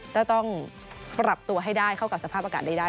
ก็ต้องปรับตัวให้ได้เข้ากับสภาพอากาศได้